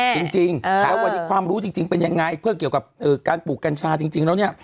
จริงแล้ววันนี้ความรู้จริงเป็นยังไงเพื่อเกี่ยวกับการปลูกกัญชาจริงแล้วเนี่ย